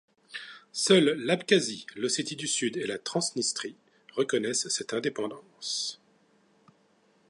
Seule l'Abkhazie, l'Ossétie du Sud et la Transnistrie reconnaissent cette indépendance.